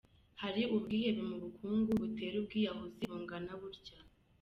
Hari ubwihebe mu bukungu butera ubwiyahuzi bungana butya.